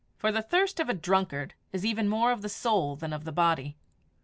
For the thirst of the drunkard is even more of the soul than of the body.